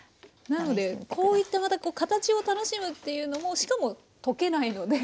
なのでこういったまた形を楽しむっていうのもしかも溶けないので。